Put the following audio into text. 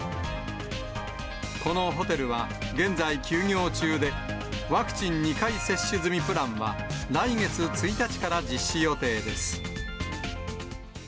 このホテルは、現在休業中で、ワクチン２回接種済みプランは、来月１日から実施予定です。